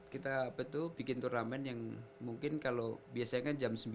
kita apa tuh bikin turnamen yang mungkin kalau biasanya kan jam sembilan